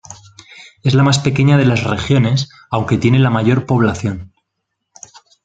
Es la más pequeña de las regiones aunque tiene la mayor población.